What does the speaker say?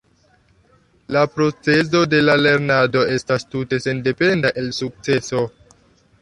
La procezo de lernado estas tute sendependa el sukceso.